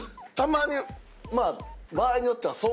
たまに場合によっては。